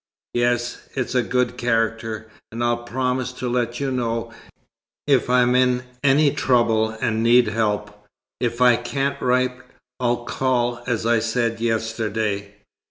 "Yes. It's a good character. And I'll promise to let you know, if I'm in any trouble and need help. If I can't write, I'll call, as I said yesterday."